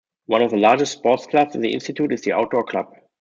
One of the largest sports clubs in the Institute is the Outdoor Club.